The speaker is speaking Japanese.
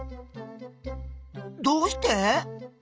どうして？